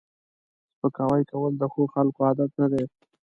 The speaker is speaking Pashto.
سپکاوی کول د ښو خلکو عادت نه دی